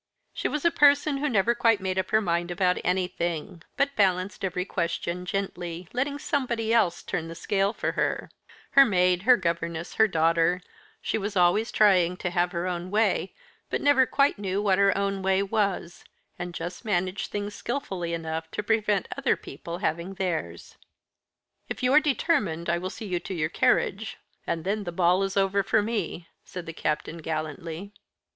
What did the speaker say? She was a person who never quite made up her mind about anything, but balanced every question gently, letting somebody else turn the scale for her her maid, her governess, her daughter; she was always trying to have her own way, but never quite knew what her own way was, and just managed things skillfully enough to prevent other people having theirs. "If you are determined, I will see you to your carriage, and then the ball is over for me," said the Captain gallantly.